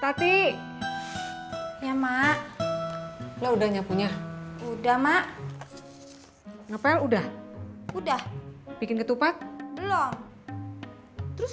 tat tatik ya mak lo udah punya udah mak ngapain udah udah bikin ketupat belum terus